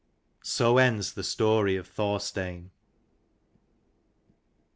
SO ENDS THE STORY OF THORSTEIN.